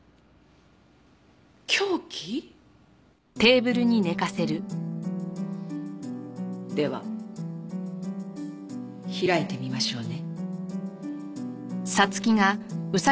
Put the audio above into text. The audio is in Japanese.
凶器？では開いてみましょうね。